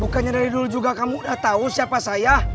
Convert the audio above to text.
bukannya dari dulu juga kamu udah tahu siapa saya